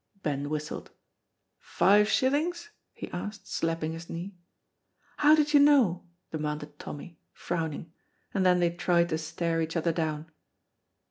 Ben whistled. "Five shillings?" he asked, slapping his knee. "How did you know?" demanded Tommy, frowning, and then they tried to stare each other down.